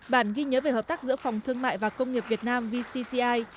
bản ghi nhớ về hợp tác giữa phòng thương mại và công nghiệp việt nam vcci